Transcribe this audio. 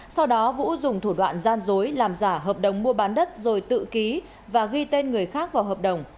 sau đó vũ dùng thủ đoạn gian dối làm giả hợp đồng mua bán đất rồi tự ký và ghi tên người khác vào hợp đồng